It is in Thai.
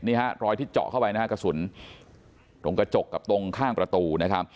นี่ฮะรอยที่เจาะเข้าไปกระสุนตรงกระจกตรงข้างประตู